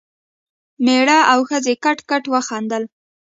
مېړه او ښځې کټ کټ وخندل.